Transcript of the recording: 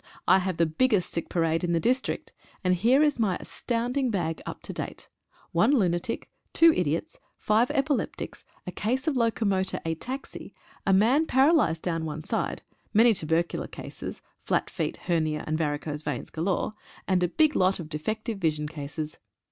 I have the biggest sick parade in the district, and here is my astounding bag up to date — a lunatic, two idiots, five epileptics, a case of locomotor ataxy, a man paralysed down one side, many tubercular cases, flat feet, hernia and varicose veins galore, and a big lot of defective vision cases.